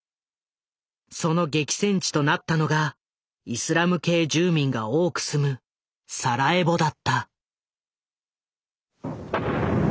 その激戦地となったのがイスラム系住民が多く住むサラエボだった。